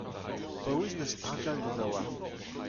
paouez da stlakal da zaouarn.